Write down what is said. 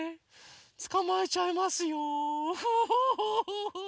つかまえちゃいますよフフフフフ！